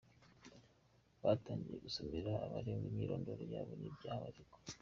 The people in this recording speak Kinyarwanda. Batangiye basomera abaregwa imyirondoro yabo n’ibyaha baregwa…